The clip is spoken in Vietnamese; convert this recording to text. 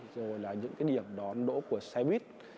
rồi là những điểm đón đỗ của xe buýt